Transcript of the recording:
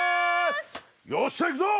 よっしゃ行くぞ！